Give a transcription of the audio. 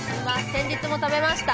先日も食べました。